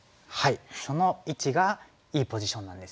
その位置がいいポジションなんですよね。